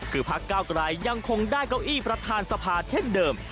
คือพักเก้าไกรยังคงได้เก้าอี้ประธานสภาเช่นเดิม